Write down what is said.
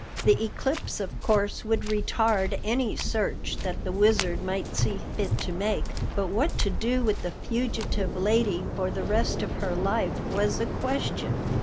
The eclipse of course would retard any search that the Wizard might see fit to make. But what to do with the fugitive lady for the rest of her life was a question.